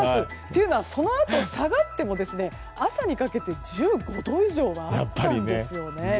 というのはそのあと下がっても朝にかけて１５度以上もあったんですよね。